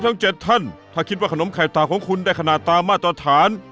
ทั้ง๗ท่านถ้าคิดว่าขนมไข่ตาของคุณได้ขนาดตามมาตรฐาน